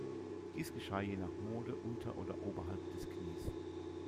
Dies geschah je nach Mode unter- oder oberhalb des Knies.